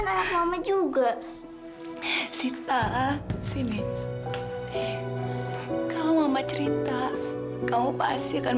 kenapa sita ini kan anak mama juga sita sini kalau mama cerita kamu pasti akan